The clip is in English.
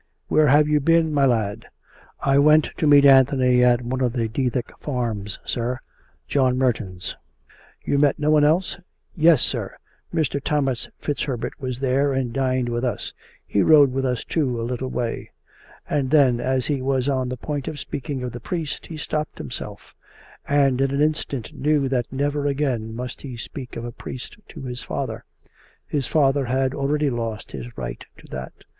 " Where have you been, my lad.^* "" I went to meet Anthony at one of the Dethick farmi^, sir — John Merton's." " You met no one else? " "Yes, sir; Mr. Thomas Fitz Herbert was there and dined with us. He rode with us, too, a little way." And then as he was on the point of speaking of the priest, he stopped himself; and in an instant knew that never again must he speak of a priest to his father; his father had already lost his right to that.